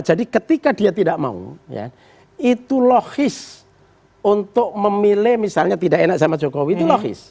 jadi ketika dia tidak mau itu logis untuk memilih misalnya tidak enak sama jokowi itu logis